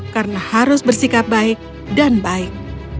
karena harus bersikap baik dan baik